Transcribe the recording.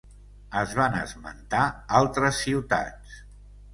Es van esmentar altres ciutats.